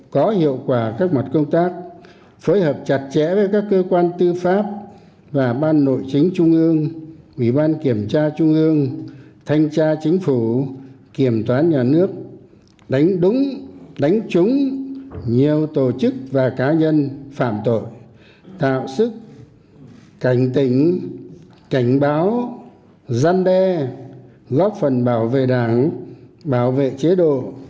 chính phủ kiểm toán nhà nước đánh đúng đánh trúng nhiều tổ chức và cá nhân phạm tội tạo sức cảnh tỉnh cảnh báo gian đe góp phần bảo vệ đảng bảo vệ chế độ